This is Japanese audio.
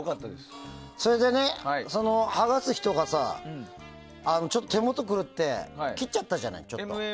それで、はがす人がちょっと手元が狂って切っちゃったじゃない。